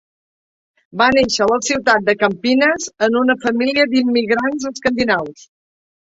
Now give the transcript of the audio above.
Va néixer a la ciutat de Campinas en una família d'immigrants escandinaus.